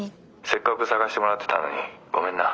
せっかく探してもらってたのにごめんな。